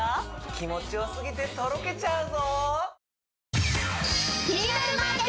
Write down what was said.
気持ちよすぎてとろけちゃうぞ